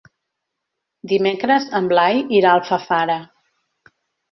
Dimecres en Blai irà a Alfafara.